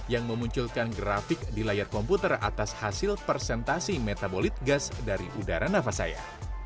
yang memunculkan grafik di layar komputer atas hasil persentasi metabolit gas dari udara nafas saya